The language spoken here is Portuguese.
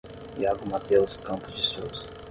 Yago Mateus Campos de Souza